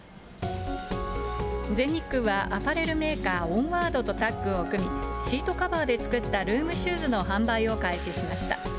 全日空はアパレルメーカー、オンワードとタッグを組み、シートカバーで作ったルームシューズの販売を開始しました。